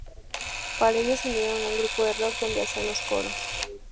Para ello, se unieron a un grupo de rock donde hacían los coros.